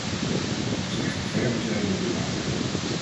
Dat is echter ver bezijden de waarheid.